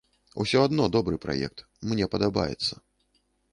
Усё адно добры праект, мне падабаецца.